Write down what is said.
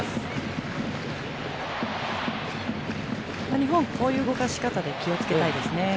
日本、こういう動かし方で気をつけたいですね。